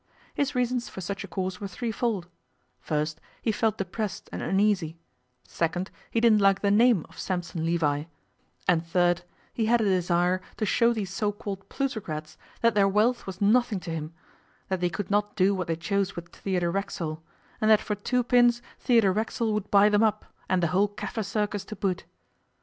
His reasons for such a course were threefold first, he felt depressed and uneasy; second, he didn't like the name of Sampson Levi; and, third, he had a desire to show these so called plutocrats that their wealth was nothing to him, that they could not do what they chose with Theodore Racksole, and that for two pins Theodore Racksole would buy them up, and the whole Kaffir Circus to boot.